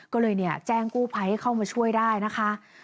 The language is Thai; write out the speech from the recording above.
ก็เลยแจ้งกู้ภัยให้เข้ามาช่วยได้นะคะ